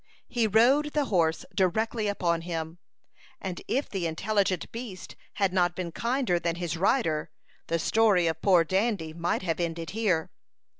He rode the horse directly upon him, and if the intelligent beast had not been kinder than his rider, the story of poor Dandy might have ended here.